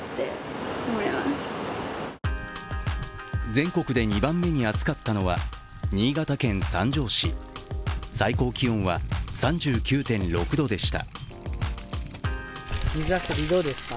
全国で２番目に熱かったのは新潟県三条市、最高気温は３９．６度でした。